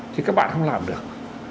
thì các bạn không làm được